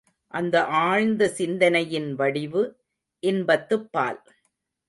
அந்த ஆழ்ந்த சிந்தனையின் வடிவு, இன்பத்துப்பால்.